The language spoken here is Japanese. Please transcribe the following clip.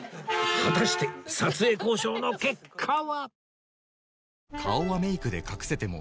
果たして撮影交渉の結果は